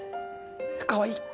かわいい！